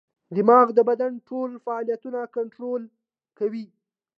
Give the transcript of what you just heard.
دماغ د بدن ټول فعالیتونه کنټرول کوي.